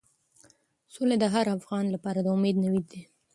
سوله د هر افغان لپاره د امید نوید دی.